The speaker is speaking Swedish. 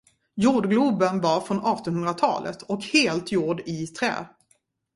Jordgloben var från artonhundratalet och helt gjord i trä.